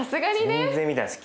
全然見てないです。